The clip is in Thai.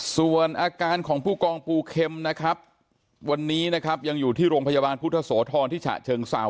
ส่วนอาการของผู้กองปูเข็มนะครับวันนี้นะครับยังอยู่ที่โรงพยาบาลพุทธโสธรที่ฉะเชิงเศร้า